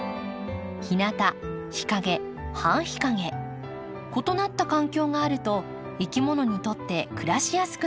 ひなた日陰半日陰異なった環境があるといきものにとって暮らしやすくなります。